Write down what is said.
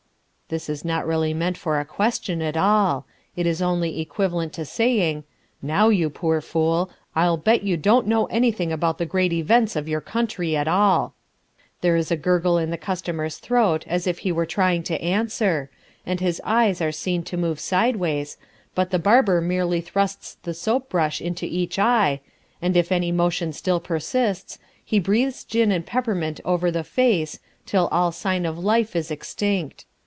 This is not really meant for a question at all. It is only equivalent to saying: "Now, you poor fool, I'll bet you don't know anything about the great events of your country at all." There is a gurgle in the customer's throat as if he were trying to answer, and his eyes are seen to move sideways, but the barber merely thrusts the soap brush into each eye, and if any motion still persists, he breathes gin and peppermint over the face, till all sign of life is extinct.